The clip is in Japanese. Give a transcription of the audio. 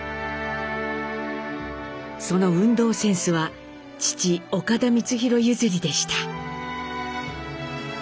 その運動センスは父岡田光宏譲りでした。